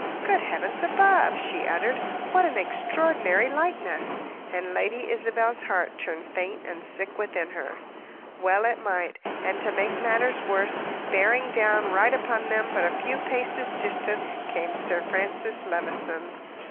"Good heavens above," she uttered, "what an extraordinary likeness!" And Lady Isabel's heart turned faint and sick within her. Well it might. And, to make matters worse, bearing down right upon them, but a few paces distant, came Sir Francis Levison.